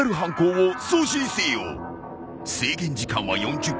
制限時間は４０分。